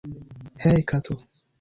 Hej kato